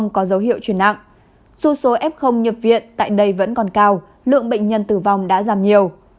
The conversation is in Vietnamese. có dấu hiệu chuyển nặng dù số f nhập viện tại đây vẫn còn cao lượng bệnh nhân tử vong đã giảm nhiều